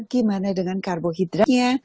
gimana dengan karbohidratnya